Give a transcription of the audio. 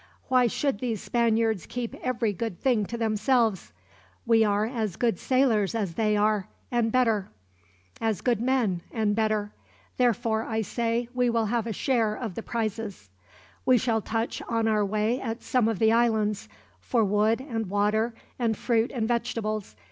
Why should these Spaniards keep every good thing to themselves? We are as good sailors as they are, and better; as good men, and better. Therefore, I say, we will have a share of the prizes. "We shall touch on our way at some of the islands, for wood and water and fruit and vegetables.